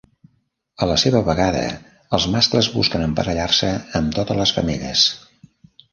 A la seva vegada, els mascles busquen emparellar-se amb totes les femelles.